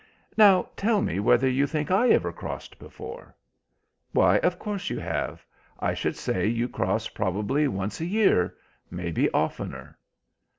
"Now, tell me whether you think I ever crossed before?" "Why, of course you have. I should say that you cross probably once a year. Maybe oftener."